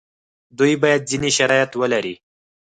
دوی باید ځینې شرایط ولري.